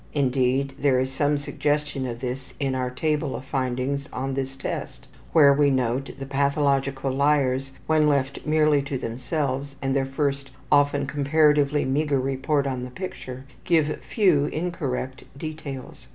Indeed, there is some suggestion of this in our table of findings on this test, where we note that pathological liars, when left merely to themselves and their first often comparatively meagre report on the picture, give few incorrect details.